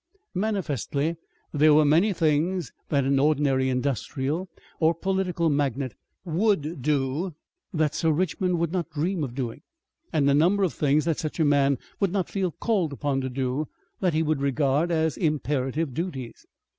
Manifestly there were many things that an ordinary industrial or political magnate would do that Sir Richmond would not dream of doing, and a number of things that such a man would not feel called upon to do that he would regard as imperative duties.